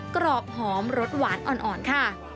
กรอบหอมรสหวานอ่อนค่ะ